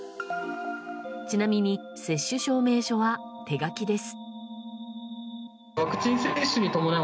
ちなみに接種証明書は手書きです。